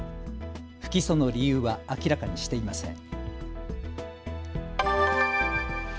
不起訴の理由は明らかにしていません。